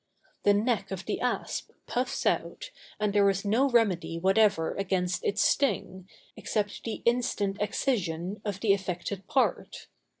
The neck of the asp puffs out, and there is no remedy whatever against its sting, except the instant excision of the affected part.